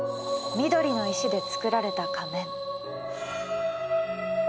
緑の石で作られた仮面。